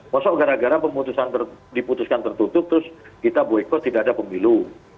masuk gara gara pemutusan diputuskan tertutup terus kita boikot tidak ada pemilu